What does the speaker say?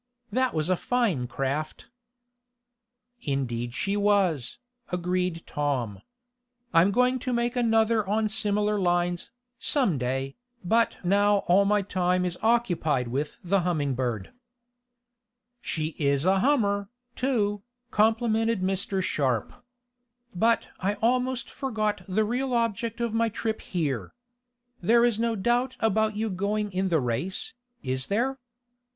That was a fine craft." "Indeed she was," agreed Tom. "I'm going to make another on similar lines, some day, but now all my time is occupied with the Humming Bird." "She is a hummer, too," complimented Mr. Sharp. "But I almost forgot the real object of my trip here. There is no doubt about you going in the race, is there?"